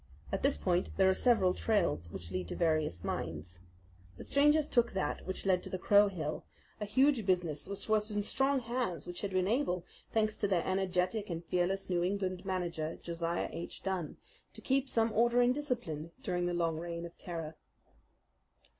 At this point there are several trails which lead to various mines. The strangers took that which led to the Crow Hill, a huge business which was in strong hands which had been able, thanks to their energetic and fearless New England manager, Josiah H. Dunn, to keep some order and discipline during the long reign of terror.